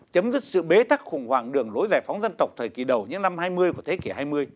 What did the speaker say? chấm dứt sự bế tắc khủng hoảng đường lối giải phóng dân tộc thời kỳ đầu những năm hai mươi của thế kỷ hai mươi